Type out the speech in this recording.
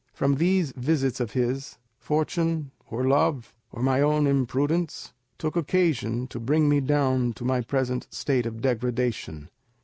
From these visits of his, fortune, or love, or my own imprudence, took occasion to bring me down to my present state of degradation.